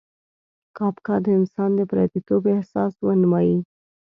کافکا د انسان د پردیتوب احساس ونمایي.